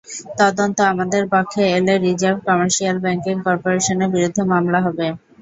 তদন্ত আমাদের পক্ষে এলে রিজার্ভ কমার্শিয়াল ব্যাংকিং করপোরেশনের বিরুদ্ধে মামলা হবে।